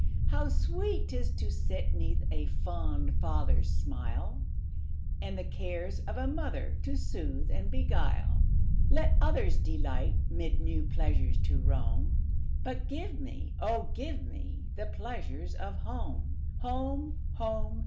How sweet 't is to sit 'neath a fond father's smile, And the cares of a mother to soothe and beguile! Let others delight mid new pleasures to roam, But give me, oh, give me, the pleasures of home! Home! home!